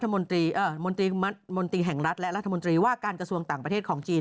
มนตรีแห่งรัฐและรัฐมนตรีว่าการกระทรวงต่างประเทศของจีน